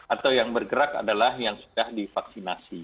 atau yang bergerak adalah yang sudah divaksinasi